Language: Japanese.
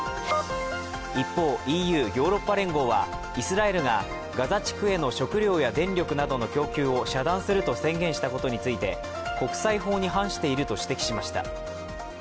一方、ＥＵ＝ヨーロッパ連合はイスラエルがガザ地区への食料や電力などの供給を遮断すると宣言したことについて国際法に反していると指摘しました。